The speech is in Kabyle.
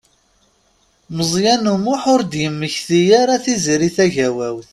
Meẓyan U Muḥ ur d-yemmekti ara Tiziri Tagawawt.